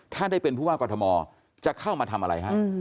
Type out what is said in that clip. ถ้าได้เป็นผู้ว่ากรทมจะเข้ามาทำอะไรฮะ